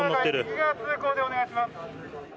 右側通行でお願いします。